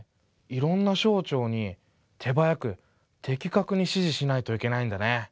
いろんな省庁に手早く的確に指示しないといけないんだね。